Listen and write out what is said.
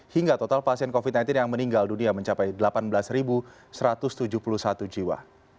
hingga total pasien covid sembilan belas yang meninggal dunia mencapai delapan belas satu ratus tujuh puluh satu jiwa